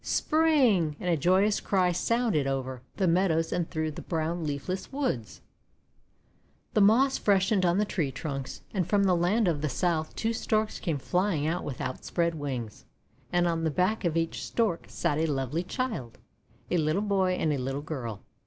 '3 " Spring!'1 And a joyous cry sounded over 442 THE WONDER GARDEN the meadows and through the brown, leafless woods ! The moss freshened on the tree trunks, and from the land of the South two Storks came fly ing with outspread wings, and on the back of each Stork sat a lovely child, a little boy and a little girl.